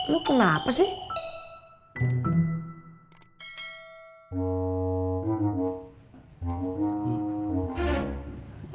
lu kenapa sih